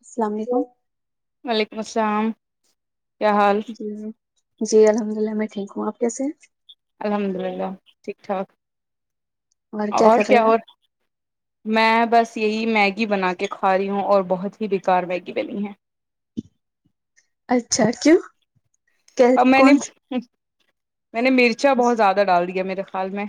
السلام علیکم وعلیکم السلام کیا حال جی الحمد للہ میں ٹھیک ہوں آپ کیسے ہیں الحمد للہ ٹھیک ٹھاک اور کیا کر آپ کی رہے ہیں آواز میں بس یہی میگی بنا کے کھا رہی ہوں اور بہت ہی بیکار میگی بنی ہے اچھا کیوں اب کیا- میں نے کون میں نے مرچا سی- بہت زیادہ ڈال دیا میرے خیال میں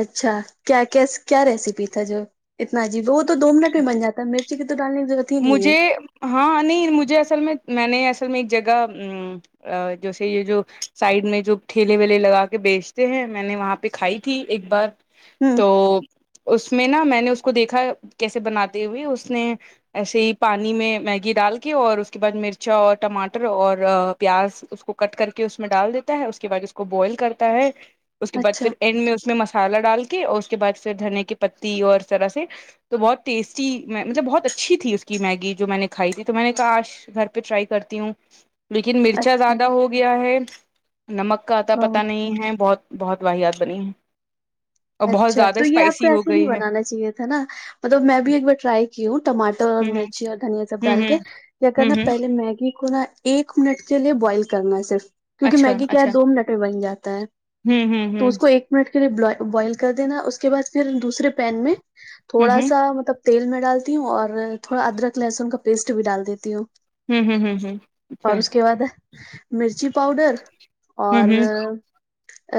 اچھا کیا کیا ریسیپی تھا جو اتنا عجیب وہ تو دو منٹ میں بن جاتا مرچ چی کی تو ڈالنے ضرورت ہی نہیں مجھے ہے ہاں نہیں مجھے اصل میں میں نے اصل میں ایک جگہ جیسے یہ جو سائڈ میں جو ٹھیلے ویلے لگا کے بیچتے ہیں میں نے وہاںہ پ کھائی تھی ایک بار ہ تو اس میں نا میں نے اس کو دیکھا کیسے بناتے ہوئے اس نے ایسے ہی پانی میں میگی ڈال کے اور اس کے بعد مرچا اور ٹماٹر اور پیاز اس کو کٹ کر کے اس میں ڈال دیتا ہے اس کے بعد اس کو بوائل کرتا ہے اس کے بعد اچھا پھر اینڈ میں اس میں مسالہ ڈال اور اس کے بعد پھر دھنے کے پتی اور سرا سے تو بہت ٹیسٹی مطلب بہت اچھا اچھی تھی اس کی میگی جو میں نے کھائی تھی تو میں نے کہا آج گھر پہ ٹرائی کرتی ہوں لیکن مرچا اچھا زیادہ ہو گیا ہے نمک کا اتا ہ پتا نہیں ہے بہت بہت واحیات بنی ہیں اچھا تو یہ آپ کو ایسے نہیں گئی ہے بنانا چاہیے تھا نا مطلب میں بھی ایک بار ٹرائی کی ہوں ٹاٹر اور ہوں ہوں مرچی اور دھنیا سب ڈال ہوں کے ہوں ہوں کرنا ہوں پہلے میگی کو نا ایک منٹ کے لیے بوائل کرنا ہے صرف کیونکہ اچھا میگی کیا ہے اچھا دو منٹ میں بن جاتا ہے ہوں ہوں تو ہوں اس کو ایک منٹ کے لئے بلاے بوائل کر دینا اس کے بعد پھر دوسرے پین میں تھوڑا ہوں سا مطلب تیل میں ڈالتی ہوں اور تھوڑا ادرک لہسن کا پیسٹ بھی ڈال دیتی ہوں ہوں ہوں ہوں ہوں ہوں اچھا اور اس کے بعد مرچی پاؤڈر ہوں اور ہوں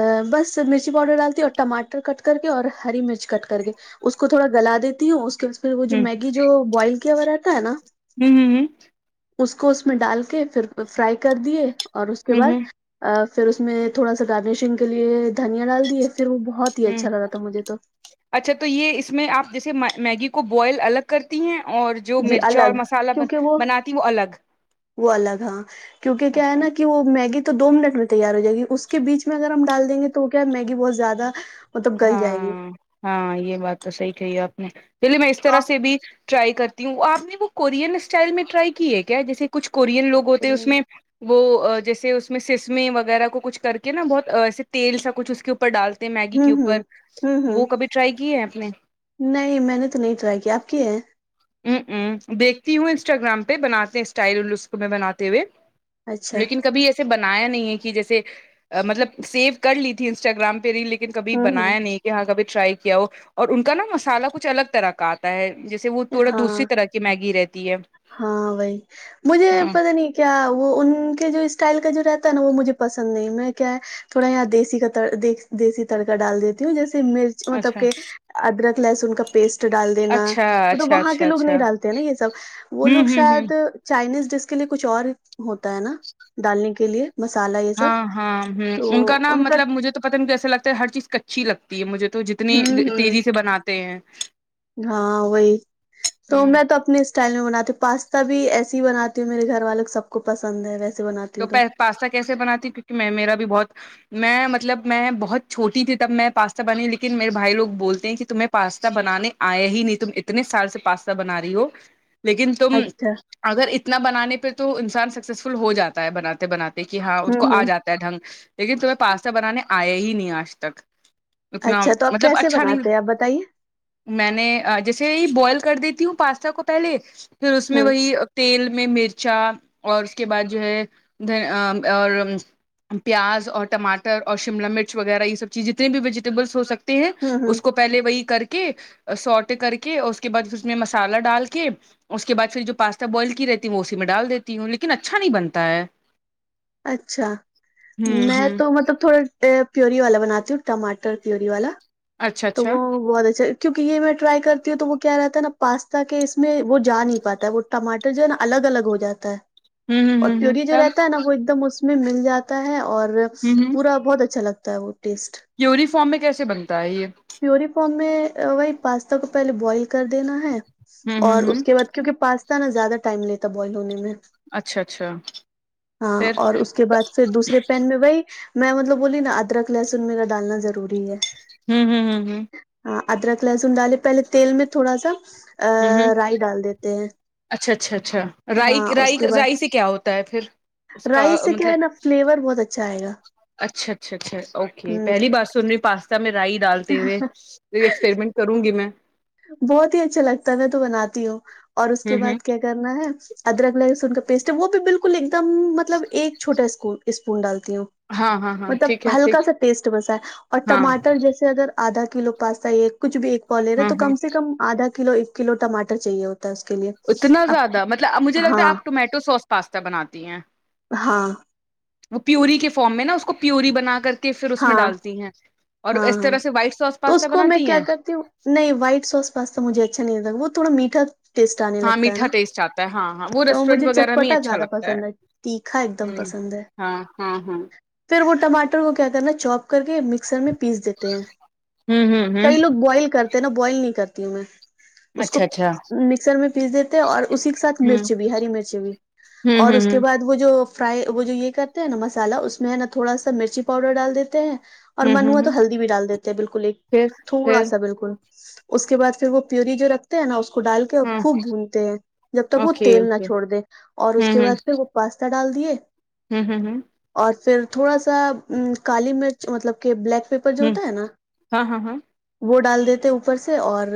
آ بس مرچی پاؤڈر ڈالتی ٹماٹر کٹ کر کے اور ہری مرچ کٹ کر کے اس کو تھوڑا گلا دیتی ہوں اس پھر اس میں وہ ہوں جو ہوں میگی جو بوائل کیا ہوا رہتا ہے نا ہم ہم ہم اس کو اس میں ڈال کے پھر فرائی کر دیے اور اس کے ہوں ہوں بعد آ پھر اس میں تھوڑا سا گارنشنگ کے لیے دھنیا دال پھر وہ بہت ہی ہوں اچھا لگا تھا مجھے تو اچھا تو یہ اس میں آپ جیسے میگی کو بوائل الگ کرتی ہیں اور جو جی مرچی اور الگ مسالہ کیونکہ بناتی وہ الگ وہ الگ ہاں کیونکہ کیا ہے اچھا نا کہ وہ میگی تو دو منٹ میں تیار ہو جائے گی اس کے بیچ میں اگر ہم ڈال دیں گے تو کیا میگی بہت زیادہ مطلب گل جائے گی ہاں ہاں یہ بات تو صحیح کہی ہے آپ نے چلیے میں اس تو طرح آپ سے بھی ٹرائی کرتی ہوں آپ نے وہ کورین اسٹائل میں ٹرائی کی ہے کیا جیسے کچھ کورین لوگ ہوتے ہیں اس ہوں میں وہ جیسے اس میں سسمے وغیرہ کو کچھ کر کے نا بہت ایے تیل سا کچھ اس کے پر ڈالتے ہیں میگی کے ہوں اوپر ہوں ہوں وہ کبھی ٹرائی کی ہے آپ نے نہیں میں نے تو نہیں ٹرائی کیا آپ کی ہیں ہ ہ دیکھتی ہوں انسٹاگرام پہ بناتے ہیں اسٹائل لسک میں بناتے ہوئے اچھا لیکن کبھی ایسا بنایا نہیں کہ جیسے مطلب سیو کر لی تھی انسٹاگرام پہ ریل پھر کبھی ہوں ہوں بنایا نہیں یہاں کبھی ٹرائی کیا ہو اور ان کا نا مسالا کچھ الگ طرح کا آتا ہے جیسے وہ تھوڑا دوسری ہاں طرح کی میگی رہتی ہے ہاں وہی مجھے ہاں پتا نہیں کیا وہ ان کے جو اسٹائل کا جو رہتا ہے نا وہ مجھے پسند نہیں میں کیا ہے تھوڑا یہاں دیسی کا دیسی تڑکا ڈال دیتی ہوں جیسے مرچ مطلب اچھا کہ ادرک لہسن کا پیسٹ ڈال دینا اچھا مطلب اچھا وہاں کے اچھا لوگ اچھا نہیں ڈالتے ہیں نا یہ سب وہ لوگ ہوں ہوں ہوں شاید چائنیز ڈس کے لیے کچھ اور ہوتا ہے نا ڈالنے کے لیے مسالہ یہ سب ہاں ہاں ہ ان کا نا مطلب مجھے تو پتا نہیں کیسا لگتا ہے ہر چیز کچی لگتی ہے مجھے تو جتنی اتنی ہوں ہوں تیزی سے بناتے ہیں ہاں وہی تو ہوں میں تو اپنے سے اسٹائل میں بناتی ہوں پاستا بھی ایس بناتی ہوں میرے گھر والے سب کو پسند ہے ویسے بناتی ہوں تو دوپہر پاستا کیسے بناتی کیونکہ میں میرا بھی بہت میں مطلب میں بہت چھوٹی تھی تب میں پاستا بنی لیکن میرے بھائی لوگ بول ہیں کہ تمہیں پاستا بنانے آیا ہی نہیں تم اتنے سال سے پاستا بنا رہی ہو لیکن تم اچھا اگر اتنا بنانے پہ تو انسان سکسیسفل ہو جاتا ہے بناتے بناتے دیکھیے ہاں ااس کو ہوں آ ہوں جاتا ہے ڈھنگ لیکن تمہیں پاستا بنانے آیا ہی نہیں آج تک اتنا اچھا تو آپ مطلب کیسے اچھا نہیں بناتے ہیں آپ بتائیے میں نے جیسے ہی بوائل کر دیتی ہوں پاستا کو پہلے پھر اس میں ہوں وہی تیل میں مرچا اور اس کے بعد جو ہے ا اور پیاز اور ٹماٹر اور شملہ مرچ وغیرہ یہ سب چیزے جتنے بھی ویجیٹیبلس ہو سکتے ہیں ہوں ہوں اس کو پہلے وہی کر کے سوٹے کر کے اس کے بعد اس میں مسالہ ڈال کے اس کےبعد پھر جو پاستا بوائل کی رہتی ہوں وہ اسی میں ڈال دیتی ہوں لیکن اچھا نہیں بنتا ہے اچھا ہوں میں ہوں تو مطلب تھوڑے پیوری والا بناتی ہوں ٹماٹر پیور والا اچھا تو اچھا وہ بہت اچھا کیوںکہ یہ میں ٹرائی کرتی ہوں تو وہ کیا رہتا ہے نا پاستا کے اس میں وہ جا نہیں پاتا ہے وہ ٹماٹر جو ہے نا الگ الگ ہو جاتا ہے ہوں ہ اور ہ ہ پیور جو تب رہتا ہے نا وہ ایک دم اس میں اس میں مل جاتا ہے اور پورا بہت اچھا لگتا ہے وہ ٹیسٹ پیوری فارم میں کیسے بنتا ہے یہ پیوری فم میں وہی پاستا کو پہلے بوائل کر دینا ہے ہوں ہوں اور اس ہوں کے بعد کیونکہ پاستا نا زیادہ ٹائم لیتا بوائل ہونے میں اچھا اچھا ہاں پھر اور اس کے تو- بعد پھر دوسے پین میں وہی میں مطلب بولی نا ادرک لہسن میرا ڈالنا ضروری ہے ہوں ہوں ہوں ہوں ہاں ادرک لہسن ڈالے پہلے تیل میں تھوڑا سا ا ہوں ہوں رائی ڈال دیتے ہیں اچھا اچھا اچھا رائی ہاں رائی رائی سے کیا ہوتا ہے پھر اس کا رائس سے کیا ہے مطلب نا فلیور بہت اچھا آئے گا اچھا اچھا اچھا اوکے ہ پہلی بار سن رہی پاس س میں رائی ڈالتے ہوئے ایکسپریمنٹ کروں گی میں بہت ہی اچھا لگتا ہے تو بناتی ہوں اور اس کے ہوں ہوں بعد کیا کرنا ہے ادرک لہسن کا پیسٹ ہے وہ بھی بالکل ایک دم مطلب ایک چھوٹا اسک اسپون ڈالتی ہوں ہاں ہاں ہاں ٹھیک مطلب ہے ہلکا ٹھیک سا ٹیسٹ بسا ہے اور ہاں ٹماٹر جیسے اگر آدھا کلو پاستا ایک کچھ بھی ایک پاؤ لے رہے ہاں تو ہاں کم سے کم آدھا کلو ایک کلو ٹماٹر چاہیے ہوتا تا اس کے لیے اتنا اب زیادہ مطلب مجھے لگتا ہاں ہے آپ ٹومیٹو سوس پاستا بناتی ہیں ہاں وہ پیوری کے فارم میں نا اس کو پیوری بنا کر پھر اس میں ہاں ہاں ڈالتی ہیں اور اس ہاں طرح سے وائٹ سوس تو پاستا اس کو میں بناتی کیا ہیں کرتی ہوں نہیں وائٹ سوس پاستا مجھے اچھا نہیں لگا وہ تھوڈا میٹھا ٹیسٹ آنے ہاں لگتا ہے میٹھا نا ٹیسٹ آتا ہے ہاں ہاں وہ تو ریسٹورینٹ مجھے وغیرہ میں ہی چٹپٹا اچھا زیادہ لگتا پسند ہے تیکھا ایک دم ہوں پسند ہے ہاں ہاں ہاں پھر وہ ٹماٹر کو کیا کرنا چوپ کر کے مکسر میں پیس دیتے ہیں ہوں ہوں ہوں کئی لوگ بوائل کرتے ہیں نا بوائل نہیں کرتی ہوں میں اس کو اچھا اچھا مکسر میں پیس دیتے اور اسی کے ساتھ ہوں مرچ بھی ہری مرچ بھی ہوں اور اس ہوں کے ہوں بعد وہ جو فرائی وہ جو یہ کرتے ہیں ہے نا مسالا اس میں ہے نا تھوڑا سا مرچی پاؤڈر ڈال دیتے ہیں اور ہوں منوا ہوں تو ہوں ہلدی بھی ڈال دیتے ہیں بالکل ایک پھر تھوڑا پھر سا بالکل اس کے بعد پھر وہ پیوری جو رکھ تے نا اس کو ڈال کے اور ہوں خوب بھونتے ہیں جب تک وہ اوکے تیل نہ اوکے چھوڑ دے اور اس ہوں کے ہوں بعد پھر وہ پاستا ڈال دیے ہوں ہوں ہوں اور پھر تھوڑا سا کالی مرچ مطلب کہ بلیک پیپر جو ہوں ہوتا ہے نا ہاں ہاں ہاں وہ ڈال دیتے اوپر پر سے اور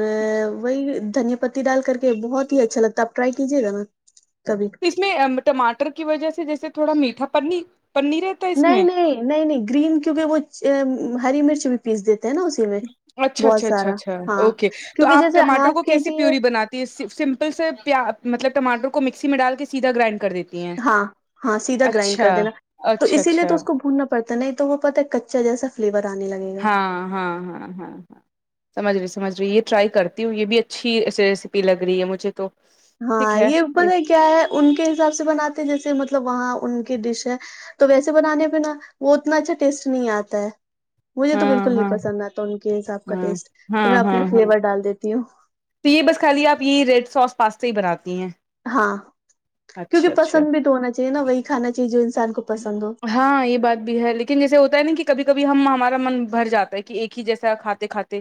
وہی دھنیہ پ پتی ڈال کر کے بہت ہی اچھا لگتا ہےاپ ٹرائی کیجیے گ نا کبھی اس میں ٹماٹر کی وجہ سے جیسے تھوڑا میٹھا پ پنی رہتی نہیں نہیں نہیں نہیں گرین کیونکہ وہ ہری مرچ بھی پیس دیتے ہیں نا اس اچھا اچھا اچھا اچھا اوکے تو کیونکہ آپ جیسے ٹماٹر ہاف کو کے کیسے جی ہے پیوری بنات س سمپل سے پیا مطلب ٹماٹر کو مکسی میں ڈال کے سیدھا گرائنڈ کر دیتے ہاں ہاں سیدھا گرائنڈ کر دینا تو اچھا اسی لیے تو اچھا اس کو بھوننا پڑتا ہے نہیں تو وہ پتا ہے چلے ایسا فلیور آنے لگے گا ہاں ہاں ہاں ہاں ہاں سمجھ رہی سمجھ رہی یہ ٹرائی کرتی ہوں یہ بھی اچھی ریسیپی لگ رہی ہے مجھے تو ٹھیک ہاں ہے یہ بت کیا ہے ان کے حساب سے بناتے ہیں جیسے مطلب وہاں ان کی ڈش ہے تو ویسے بنانے پہ نا وہ اتنا اچھا ٹیسٹ نہیں آتا ہے مجھے تو بالکل ہاں ہاں نہیں پسند آتا ان کے حساب کا ہاں ٹیسٹ ہاں تو میں ہاں اپنے ہاں فلیور ڈال دیتی ہوں تو یہ بس خالی آپ یہی ریڈ سوس پاستا ہی بناتی ہیں ہاں کیونکہ اچھا اچھا پسند بھی تو ہونا چاہیے نا وہی کھانا چاہیے جو انسان کو پسند ہو ہاں یہ بات بھی ہے لیکن جیسے ہوتا ہے نا کہ کبھی کبھی ہم ہمارا من بھر جاتا ہے کہ ایک ہی جیسا کھاتے کھاتے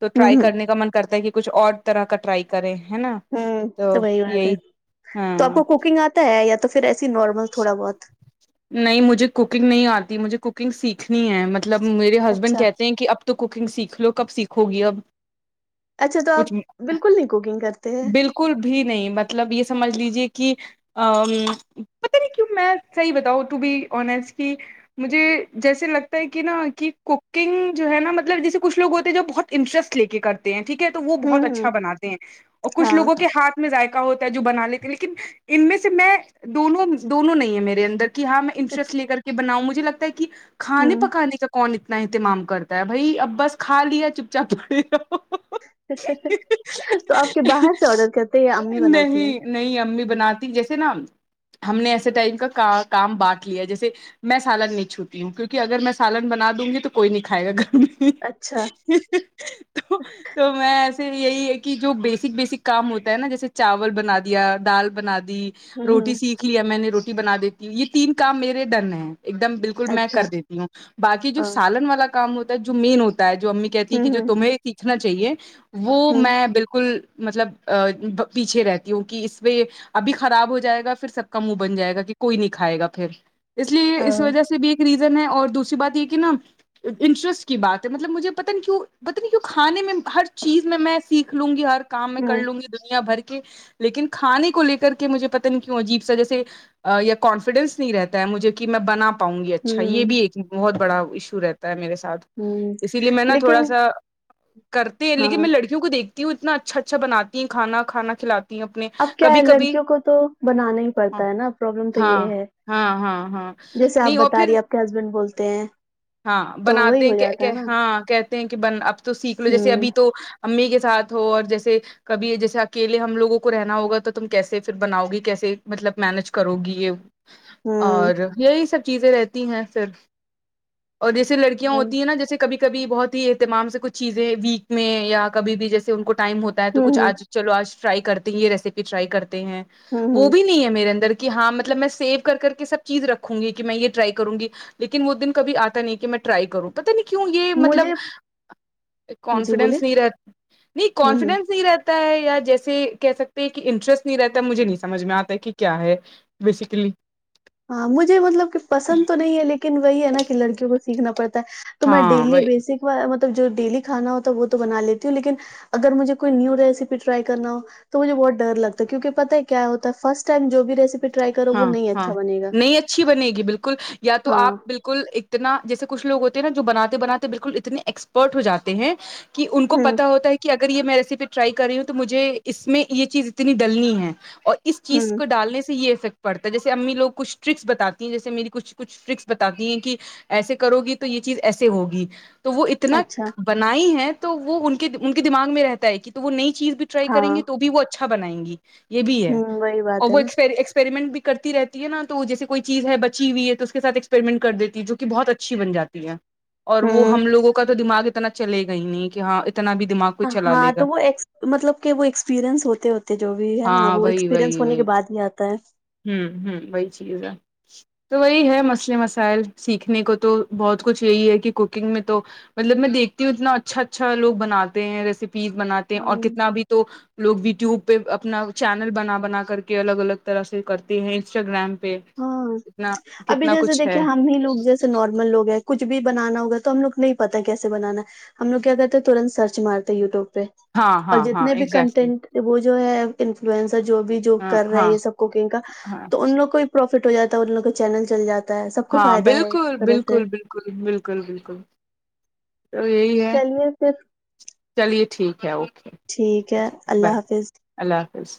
تو ہوں ٹرائی ہوں کرنے کا من کرتا ہے کہ کچھ اور طرح کا ٹرائی کریں ہے نا ہ تو وہی بات ہے تو آپ ہاں کو کوکنگ آتا ہے یا تو پھر ایسے نارمل تھوڑا بہت نہیں مجھے کوکنگ نہیں آتی مجھے کوکنگ سیکھنی ہے م مطلب میرے ہسبینڈ اچھا کہتے ہیں کہ اب تو کوکنگ سیکھ لو کب سیکھو گی اب اچھا تو آپ کچھ بالکل نہیں کوکنگ کرتے ہیں بالکل بھی نہیں مطلب یہ سمجھ لیجیے کہ ا پت نہیں کیوں میں صحیح بتاؤ ٹو بی آسٹ کی مجھے جیسے لگتا ہے کہ نہ کہ کوکنگ جو ہے نہ مطلب جیسے کچھ لوگ ہوتے ہیں جو بہت انٹرسٹ لے کے کرتے ہیں ٹھیک ہے تو وہ بہت ہوں ہوں اچھا بناتے ہیں اور کچھ ہاں لوگوں کے ہاتھ میں ذائقہ ہوتا ہے جو بنا لیتے لیکن ان میں سے میں دونوں دونوں نہیں ہے میرے اندر کہ ہاں میں انٹرسٹ لے کر کے بناؤں مجھے لگتا ہے کہ کھانے ہوں پکانے کا کون اتنا اہتمام کرتا ہے بھائی اب بس کھا لیا چپ چاپ پڑھی رہو تو آپ کے باہر سے آڈر کرتے ہیں یہ امی بناتی ہیں نہیں نہیں امی بناتی جیسے نہ ہم نے ایسے ٹائپ کا کام بانٹ لیا جیسے میں سالن نہیں چھوتی ہوں کیونک اگر میں سالن بنا دوں گی تو کوئی نہیں کھائے گا گھر میں اچھا تو تو میں ایسے یہی ہے کہ جو بیسک بیسک کام ہوتا ہے نہ جیسے چاول بنا دیا دال بنا دی ہوں روٹی ہوں سیکھ لیا میں نے روٹی بنا دیتی یہ تین کام میرے ڈن ہے ایک دم بالکل خود میں اچھا کر دیتی ہوں باکی جو ہاں سالن والا کام ہوتا ہے جو مین ہوتا ہے جو امی کہتی ہیں ہوں کہ جو ہوں تمہیں سیکھنا چاہیے وہ ہوں میں بالکل مطلب ا پیچھے رہتی ہوں کہ اس پے یے ابھی خراب ہو جائے گا پھر سب کا منہ بن جائے گا کہ کوئی نہیں کھائے گا پھر اس لیے ا اس وجہ سے بھی ریسوں ہے اور دوسری بات یہ کہ نہ انٹرسٹ کی بات ہے مطلب مجھے پتا نہیں کیوں پتا نہیں کیوں کھانے میں ہر چیز میں میں سیکھ لوں گی ہر کام میں کر ہوں لوں گی دنیا بھر کے لیکن کھانے کو لے کر کے مجھے پتا نہیں کیوں عجیب سا جیسے یا کانفیڈینس نہیں رہتا ہے مجھے کہ میں بنا پاؤں گی اچھا یہ ہوں بھی ایک بہت بڑا ایشو رہتا ہے میرے ساتھ ہوں اسی لیے میں نہ تھوڑا لیکن سا کرتی ہیں ہاں لیکن میں لڑکی کو دیکتی ہوں اتنا اچھا اچھا بناتی ہیں کھا کھانا کھاتی اب کیا لڑکیوں کو تو بنانا ہی ہاں پڑتا ہے نہ پرابلم تو یہ ہاں ہے ہاں ہاں ہاں جیسے آپ نہیں اور بتا پھر رہی آپ کے ہسبینڈ بولتے ہیں ہاں تو وہی بناتے ہو کے جاتا کہ ہے نا ہاں کہتے ہیں کہ بن اب تو سیکھ لو جیسے ہوں ابھی تو امی کے ساتھ ہو اور جیسے کبھی جیسے اکیے ہم لوگوں کو رہنا ہوگا تو تم کیسے پھر بناؤ گی کیسے مطلب مینج کرو گی یہ ہوں اور یہی سب چیزیں رہتی ہیں پھر اور جیسے لڑکیاں وہی ہوتی ہیں نا جیسے کبھی کبھی بہت ہی اتیمام سے کچھ چیزیں ویک میں یا کبھی بھی جیسے ان کو ٹائم ہوتا ہے تو ہوں کچھ ہوں آج چلو آج ٹرائی کرتے ہیں یہ ریسیپی ٹرائی کرتے ہیں ہوں وہ ہوں بھی نہیں ہے میرے اندر کے ہاں مطلب میں سیو کر کے سب چیز رکھوں گی کہ میں یہ ٹرائی کروں گی لیکن وہ دن کبھی آ تا نہیں کہ میں ٹرائی کروں پتا نہیں کیوں یہ مطلب مجھے جی بولیے کانفیڈینس نہیں رہ نہیں ہوں ہوں کانفیڈینس نہیں رہ تا ہے یہ جیسے کہہ سکتے ہیں کہ انٹرسٹ نہیں رہتا مجھے نہیں سمجھ میں آتا کہ کیا ہے بیسکلی ہاں مجھے مطلب کہ پسند تو نہیں ہے لیکن وہی ہے نہ کہ لڑکیوں کو سیکھنا پڑتا ہے تو میں ہاں ڈیلی وہی بیسک وا مطلب جو ڈیلی کھانا ہوتا وہ تو بنا لیتی ہوں لیکن اگر مجھے کوئی نیو ریسیپی ٹرائی کرنا ہو تو مجھے بہت ڈر لگتا ہے کیونکہ پتا ہے کیا ہوتا فرسٹ ٹائم جو بھی ریسیپی ٹرئی کرو وہ ہاں نہیں اچھا بنے گا نہیں اچھی بنے گی بالکل یا تو ہاں آپ بال الکل اتنا جیسے کچھ لوگ ہوتے ہیں نا جو بناتے بناتے بالکل اتنے ایکسپرٹ ہو جاتے ہیں کہ ان کو ہوں پتا ہوتا ہے کہ اگر یہ میں ریسیپی ٹرائی کر رہی ہوں تو مجھے اس میں یہ چیز اتنی ڈلنی ہے اور اس چیز ہوں کو ڈالنے سے یہ افیکٹ پڑتا ہے جیسے امی لوگ کچھ ٹرکس بتاتی ہیں جیسے میری کچھ کچھ ٹرکس بتاتی ہیں کہ ایسے کرو گی تو یہ چیز ایسے ہوگی وہ اتنا اچھا بنائی ہے تو وہ ان کے ان کے دماغ میں رہتا ہے کہ تو وہ نئی چیز بھی ٹرائی کریں ہاں گی تو بھی وہ اچھا بنائیں گی یہ بھی ہے ہوں وہی اور بات ہے وہ نا ایکسپر ایکسپریمنٹ کرتی رہتی ہے نا تو جیسے کوئی چیز ہے بچی ہوئی ہے تو اس کے ساتھ ایکسپریمنٹ کر دیتی ہے جو کی بہت اچھی بن جاتی ہے اور وہ ہوں ہم لوگوں کا تو دماغ اتنا چلے گا ہی نہیں کہ ہاں اتنا بھی دماغ کوئی چلا لے ہاں گا تو وہ ایکس مطلب کہ وہ ایکسپیرئنس ہوتے ہوتے جو بھی ہے نا ہاں وہ وہی ایکسپریئنس وہی ہونے وہی کے بعد ہی آتا ہے ہوں ہوں وہی چیز ہے تو وہی ہے مسئلے مسائل سیکھنے کو تو بہت کچھ یہی ہے کہ کوکنگ میں تو مطلب میں دیکھتی ہوں اتنا اچھا اچھا لوگ بناتے ہیں ریسیپیز بناتے ہیں اور ہوں کتنا بھی تو لوگ یوٹیوب پہ اپنا چینل بنا بنا کر کے الگ الگ طرح سے کرتے ہیں انسٹاگرام پہ کتنا کتنا کچھ ہے نہیں لوگ جیسے نارمل لوگ ہیں کچھ بھی بنانا ہوگا تو ہم لوگ نہیں پتا کیسے بنانا ہم لوگ کیا کرتے ہیں ترنت سرچ مارتے یوٹیوب پہ ہاں اور ہاں ہاں جتنے بھی ایگزیکٹلی کنٹینٹ وہ جو ہے انفلوئنسر جو بھی جو ہاں کر رہے ہاں یہ سب کوکنگ کا ہاں تو ان لوگ کو پروفٹ ہو جاتا ہے ان لوگوں کا چینل چل جاتا ہے سب کو فائدہ ہے اس طرح سے بکل بالکل بالکل تو یہی ہے چلیے پھر چلیے ٹھیک ہے اوکے ٹھیک ہے اللہ بائے حافظ اللہ حافظ